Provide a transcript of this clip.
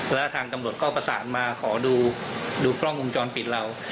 แล้วทางตำรวจก็ประสานมาขอดูกล้องวงจรปิดเรา